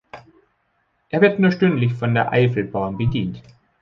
Er wird nur stündlich von der Eifel-Bahn bedient.